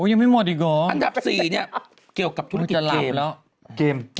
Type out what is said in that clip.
อันดับ๔เกี่ยวกับธุรกิจเกม